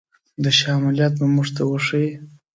د شاه عملیات به موږ ته وښيي.